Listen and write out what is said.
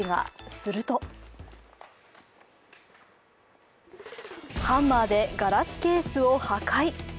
するとハンマーでガラスケースを破壊。